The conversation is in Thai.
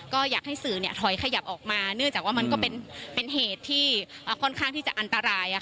ก็อยากให้สื่อถอยขยับออกมาเนื่องจากว่ามันก็เป็นเหตุที่ค่อนข้างที่จะอันตราย